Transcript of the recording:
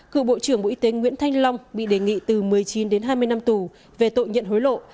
cựu bộ trưởng bộ y tế nguyễn thanh long bị đề nghị từ một mươi chín đến hai mươi năm tù về tội nhận hối lộ